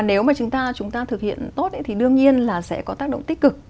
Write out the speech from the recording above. nếu mà chúng ta thực hiện tốt thì đương nhiên là sẽ có tác động tích cực